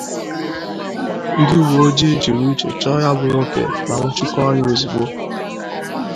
ndị uweojii jiri uche chọọ ya bụ nwoke ma nwụchikọọ ya ozigbo.